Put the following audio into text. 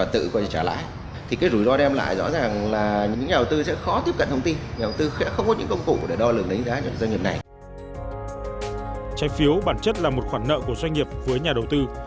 trái phiếu bản chất là một khoản nợ của doanh nghiệp với nhà đầu tư